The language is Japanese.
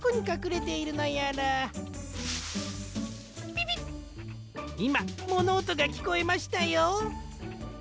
ピピッいまものおとがきこえましたよ。